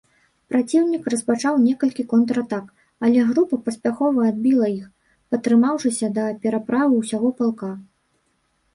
Праціўнік распачаў некалькі контратак, але група паспяхова адбіла іх, пратрымаўшыся да пераправы ўсяго палка.